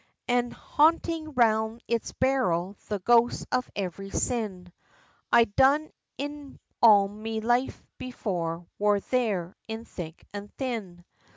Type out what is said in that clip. An' hauntin' round its barrel, the ghosts of every sin, I done in all me life before, wor there, in thick an' thin!